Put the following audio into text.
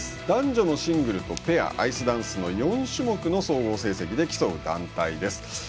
男女のシングルとペアアイスダンスの４種目の総合成績で競う団体です。